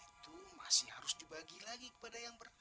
itu masih harus dibagi lagi kepada yang